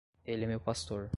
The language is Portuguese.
Ele é meu pastor.